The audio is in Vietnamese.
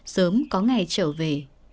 sớm có ngày trở về